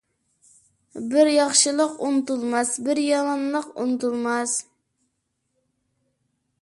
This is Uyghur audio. بىر ياخشىلىق ئۇنتۇلماس، بىر يامانلىق ئۇنتۇلماس.